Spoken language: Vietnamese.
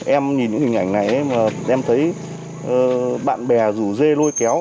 em nhìn những hình ảnh này em thấy bạn bè rủ dê lôi kéo